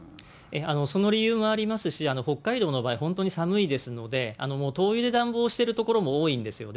その理由がありますし、北海道の場合、本当に寒いですので、もう灯油で暖房している所も多いんですよね。